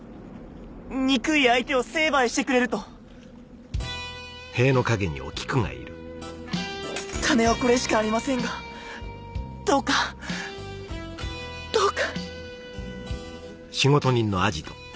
憎い相手を成敗してくれると金はこれしかありませんがどうかどうか！